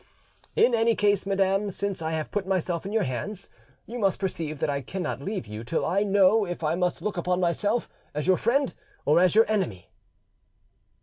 "In any case, madam, since I have put myself in your hands, you must perceive that I cannot leave you till I know if I must look upon myself as your friend or as your enemy."